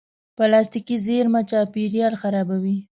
پلاستيکي زېرمه چاپېریال خرابوي.